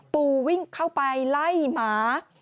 ปู่วิ่งเข้าไปไล่หมา